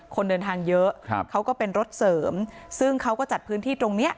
คนเดินทางเยอะครับเขาก็เป็นรถเสริมซึ่งเขาก็จัดพื้นที่ตรงเนี้ย